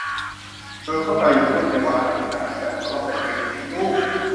เธอเข้าใจอย่างรวดเร็วว่าอะไรเป็นอะไร และหัวเราะใส่เธออย่างเอ็นดู